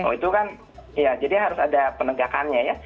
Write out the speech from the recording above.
oh itu kan ya jadi harus ada penegakannya ya